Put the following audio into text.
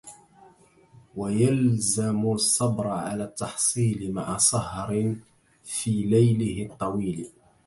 ويلزمُ الصبر على التحصيلِ مع سهر في ليله الطويلِ